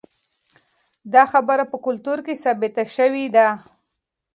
دا خبره په کلتور کې ثابته شوې ده.